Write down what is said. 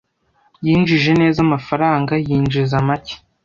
Yinjije neza amafaranga yinjiza make.